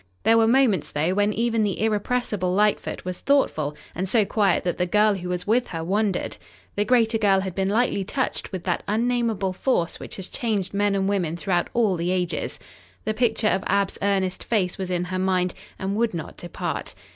There were moments, though, when even the irrepressible Lightfoot was thoughtful and so quiet that the girl who was with her wondered. The greater girl had been lightly touched with that unnamable force which has changed men and women throughout all the ages. The picture of Ab's earnest face was in her mind and would not depart.